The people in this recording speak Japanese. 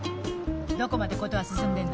どこまで事は進んでんの？